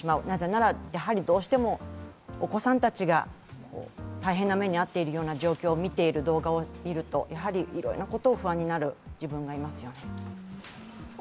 なぜなら、どうしてもお子さんたちが、大変な目に遭っているような状況の動画を見るといろいろなことが不安になる自分がいます。